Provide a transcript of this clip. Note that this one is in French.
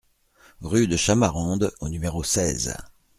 Rue de Chamarandes au numéro seize